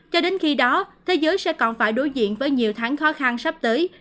cho đến khi đó thế giới sẽ còn phải đối diện với nhiều tháng khó khăn sắp tới